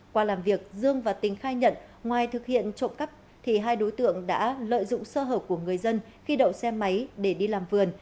qua làm việc dương và tính khai nhận ngoài thực hiện trộm cắp thì hai đối tượng đã lợi dụng sơ hở của người dân khi đậu xe máy để đi làm vườn